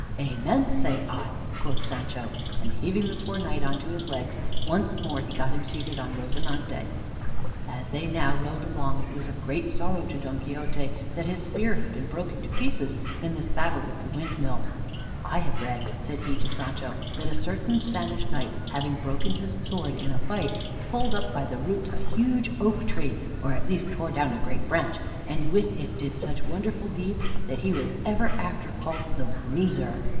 "Amen! say I" quoth Sancho: and heaving the poor Knight on to his legs, once more he got him seated on "Rozinante." As they now rode along, it was a great sorrow to Don Quixote that his spear had been broken to pieces in this battle with the windmill. "I have read," said he to Sancho, "that a certain Spanish knight, having broken his sword in a fight, pulled up by the roots a huge oak tree, or at least tore down a great branch, and with it did such wonderful deeds that he was ever after called 'The Bruiser.'